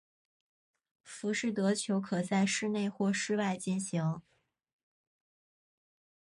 浮士德球可在室内或室外进行。